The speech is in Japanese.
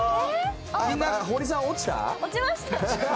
堀さん、落ちた？